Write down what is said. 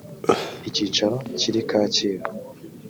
icyicaro kiri kacyiru